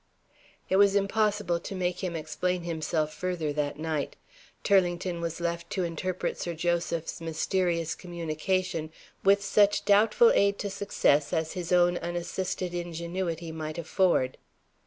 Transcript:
It was impossible to make him explain himself further that night. Turlington was left to interpret Sir Joseph's mysterious communication with such doubtful aid to success as his own unassisted ingenuity might afford.